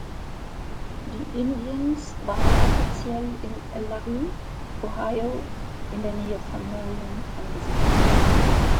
Die Indians waren offiziell in La Rue, Ohio in der Nähe von Marion, angesiedelt.